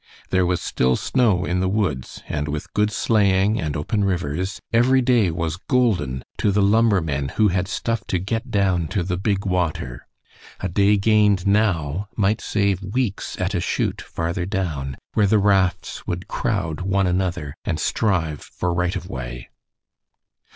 There was still snow in the woods, and with good sleighing and open rivers every day was golden to the lumbermen who had stuff to get down to the big water. A day gained now might save weeks at a chute farther down, where the rafts would crowd one another and strive for right of way.